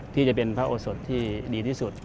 ที่จะเป็นพระโอสดที่ดีที่สุด